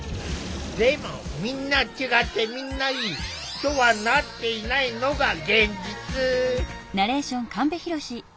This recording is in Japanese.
でも「みんな違ってみんないい」とはなっていないのが現実。